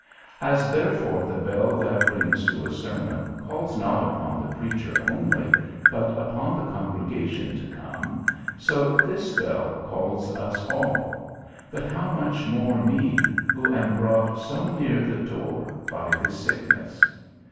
As therefore the bell that rings to a sermon calls not upon the preacher only, but upon the congregation to come, so this bell calls us all; but how much more me, who am brought so near the door by this sickness.